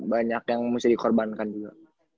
banyak yang mesti dikorbankan juga